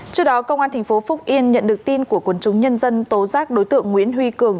trước đó công an tp phúc yên nhận được tin của quân chúng nhân dân tố giác đối tượng nguyễn huy cường